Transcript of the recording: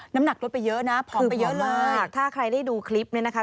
น้ำหนักลดไปเยอะนะผอมไปเยอะเลยถ้าใครได้ดูคลิปเนี่ยนะคะ